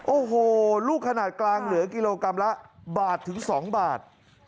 โอ้โหลูกขนาดกลางเหลือกิโลกรัมละบาทถึง๒บาท